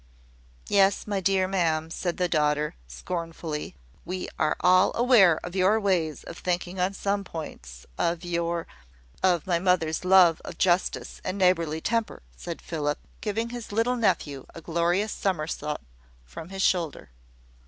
"Yes, my dear ma'am," said the daughter, scornfully, "we are all aware of your ways of thinking on some points of your " "Of my mother's love of justice and neighbourly temper," said Philip, giving his little nephew a glorious somerset from his shoulder.